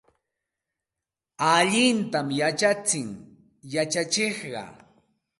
Allintam yachachin yachachiqqa.